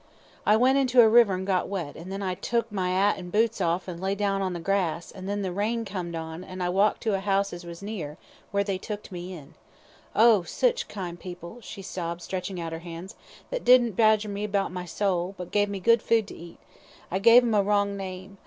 I went into a river an' got wet, an' then I took my 'at an' boots orf an' lay down on the grass, an' then the rain comed on, an' I walked to a 'ouse as was near, where they tooked me in. Oh, sich kind people," she sobbed, stretching out her hands, "that didn't badger me 'bout my soul, but gave me good food to eat. I gave 'em a wrong name.